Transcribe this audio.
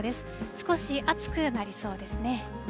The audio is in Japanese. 少し暑くなりそうですね。